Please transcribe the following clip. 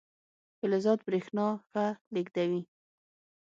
فلزات برېښنا ښه لیږدوي.